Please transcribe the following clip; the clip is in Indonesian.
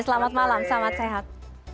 selamat malam selamat sehat